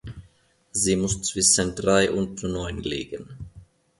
Sie muss zwischen drei und neun liegen.